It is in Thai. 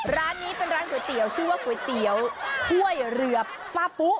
ร้านนี้เป็นร้านก๋วยเตี๋ยวชื่อว่าก๋วยเตี๋ยวถ้วยเรือป้าปุ๊